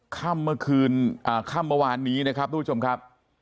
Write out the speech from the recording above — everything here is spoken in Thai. ข้ามเมื่อวานนี้นะครับทุกผู้ชมครับ